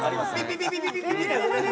ピピピピピ！って。